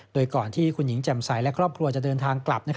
โดยก่อนที่คุณหญิงแจ่มใสและครอบครัวจะเดินทางกลับ